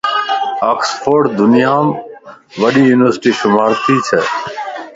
اوڪسفورڊ دنيا مَ وڏي يونيورسٽي شمار تي چھه